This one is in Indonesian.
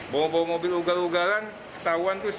bawa bawa mobil ugar ugaran ketahuan itu selesai